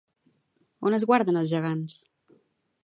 On es guarden els gegants?